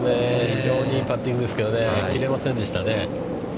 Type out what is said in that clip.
非常にいいパッティングでしたが、切れませんでしたね。